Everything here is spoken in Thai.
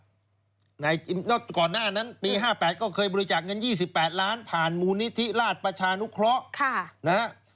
ก่อนหน้านั้นปี๕๘ก็เคยบริจาคเงิน๒๘ล้านผ่านมูลนิธิราชประชานุเคราะห์นะฮะ